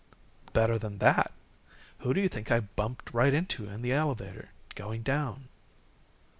"Better than that! Who do you think I bumped right into in the elevator going down?"